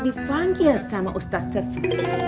divanggil sama ustaz serfi